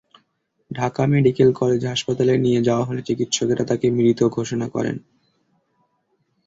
Dhaka medical college হাসপাতালে নিয়ে যাওয়া হলে চিকিৎসকেরা তাঁকে মৃত ঘোষণা করেন।